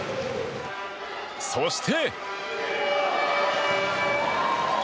そして。